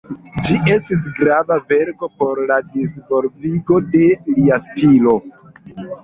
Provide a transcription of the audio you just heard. Ĝi estas grava verko por la disvolvigo de lia stilo.